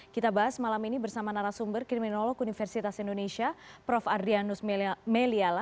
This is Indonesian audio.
kita bahas malam ini bersama narasumber kriminolog universitas indonesia prof adrianus meliala